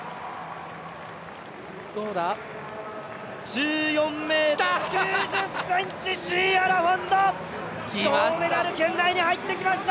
１４ｍ９０ｃｍ、シーア・ラフォンド、銅メダル圏内に入ってきました。